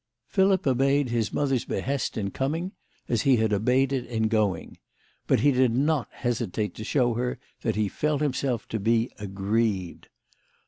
Philip obeyed his mother's behest in coming as he had obeyed it in going; but he did not hesitate to show her that he felt himself to be aggrieved.